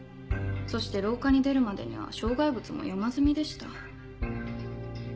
そして廊下に出るまでには障害物も山積みでした。